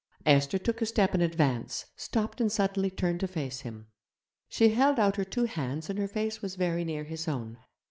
Esther took a step in advance, stopped and suddenly turned to face him; she held out her two hands and her face was very near his own.